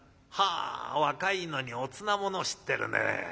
「はあ若いのにおつなものを知ってるね。